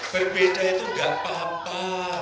berbeda itu enggak apa apa